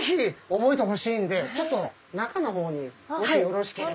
覚えてほしいんでちょっと中の方にもしよろしければ。